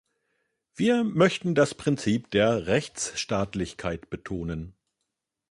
Wir möchten das Prinzip der Rechtsstaatlichkeit betonen.